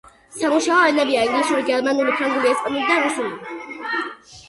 სამუშაო ენებია: ინგლისური, გერმანული, ფრანგული, ესპანური და რუსული.